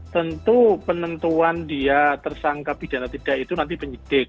tentu penentuan dia tersangka pidana tidak itu nanti penyidik